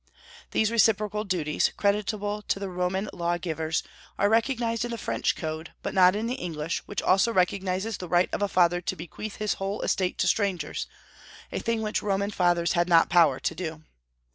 These reciprocal duties, creditable to the Roman lawgivers, are recognized in the French Code, but not in the English, which also recognizes the right of a father to bequeath his whole estate to strangers, a thing which Roman fathers had not power to do.